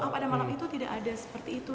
oh pada malam itu tidak ada seperti itu